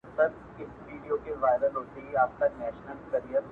کله هم رایاد شي